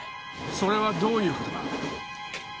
それはどういう事だ？